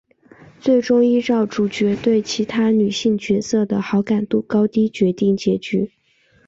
最终依照主角对其他女性角色的好感度高低决定结局。